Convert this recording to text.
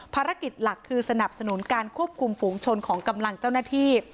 ภารกิจหลักคือสนับสนุนการควบคุมฝูงชนของกำลังเจ้าหน้าที่